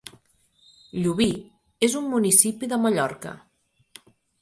Llubí és un municipi de Mallorca.